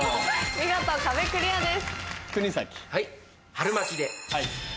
見事壁クリアです。